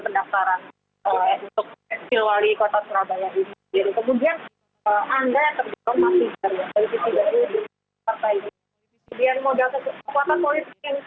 kemudian anda yang terjual masih dari partai ini